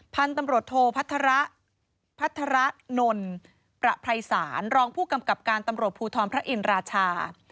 พันธุ์ตำรวจโทพัฒระพัฒระนนประภัยศาลรองผู้กำกับการตำรวจภูทรพระอินราชา